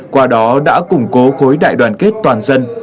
qua đó đã củng cố khối đại đoàn kết toàn dân